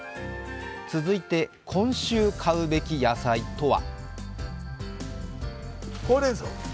続いて今週買うべき野菜とは。